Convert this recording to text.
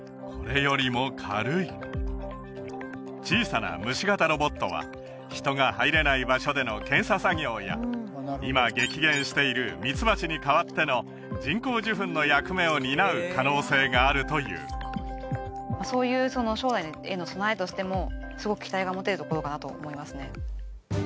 これよりも軽い小さな虫型ロボットは人が入れない場所での検査作業や今激減しているミツバチに代わっての人工授粉の役目を担う可能性があるというそういう将来への備えとしてもすごく期待が持てるところかなと思いますね